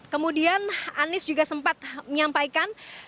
kemudian anies juga sempat menyampaikan